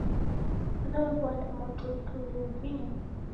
Siw'ew'uada mwatulituli ungi ini